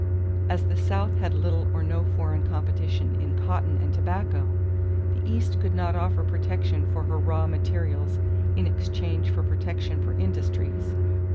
As the South had little or no foreign competition in cotton and tobacco, the East could not offer protection for her raw materials in exchange for protection for industries.